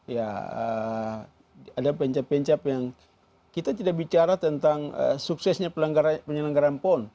ya ada pencap pencap yang kita tidak bicara tentang suksesnya penyelenggaran pon